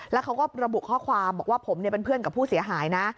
แล้วเขาก็ระบุข้อความบอกว่าผมเป็นเพื่อนกับผู้เสียหายนะ